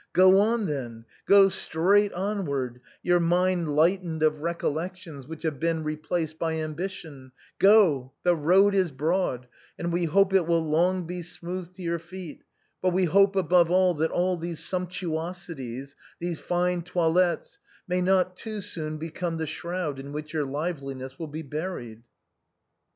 Go on then, go straight onward, your mind lightenôd of recollec tions which have been replaced by ambition; go, the road is broad, and we hope it will long be smooth to your feet, but we hope, above all, that all these sumptuosities, these fine toilettes, may not too soon become the shroud in which your liveliness will be buried."